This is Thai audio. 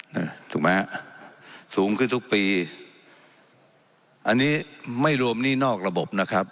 นะถูกไหมฮะสูงขึ้นทุกปีอันนี้ไม่รวมหนี้นอกระบบนะครับ